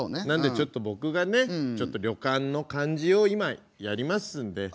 なんでちょっと僕がねちょっと旅館の感じを今やりますんで。